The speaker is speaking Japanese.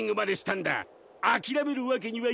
あきらめるわけにはいかねえのよ。